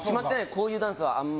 こういうダンスは、あんま。